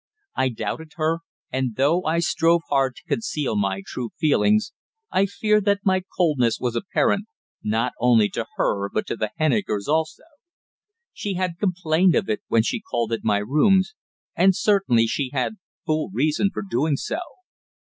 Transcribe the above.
I doubted her; and though I strove hard to conceal my true feelings, I fear that my coldness was apparent, not only to her but to the Hennikers also. She had complained of it when she called at my rooms, and certainly she had full reason for doing so.